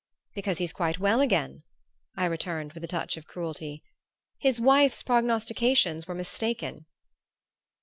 "Because he's quite well again," I returned with a touch of cruelty. "His wife's prognostications were mistaken."